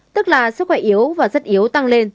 tức là sức khỏe yếu và rất yếu tăng lên